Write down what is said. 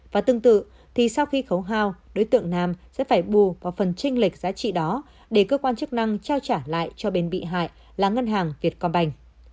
và tương tự thì sau khi khấu hao đối tượng nam sẽ phải bù vào phần tranh lệch giá trị đó để cơ quan chức năng trao trả lại cho bên bị hại là ngân hàng việt công banh